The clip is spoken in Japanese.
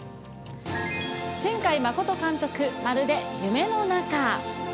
新海誠監督、まるで夢の中。